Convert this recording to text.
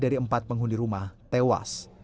dari empat penghuni rumah tewas